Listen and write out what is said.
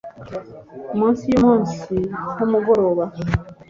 Munsi yumunsi nkumugoroba